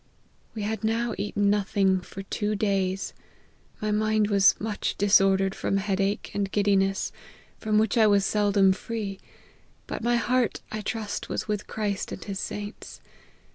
" We had now eaten nothing for two days. My mind was much disordered from head ache and giddiness, from which I was seldom free ; but my heart, I trust, was with Christ and his saints.